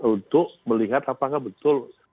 untuk melihat apakah betul